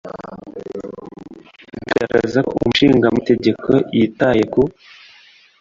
Bigaragaza ko Umushingamategeko yitaye ku